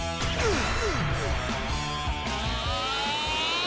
ああ。